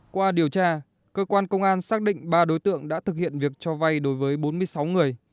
qua điều tra cơ quan công an xác định ba đối tượng đã thực hiện việc cho vay đối với bốn mươi sáu người